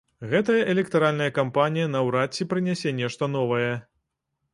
Гэтая электаральная кампанія наўрад ці прынясе нешта новае.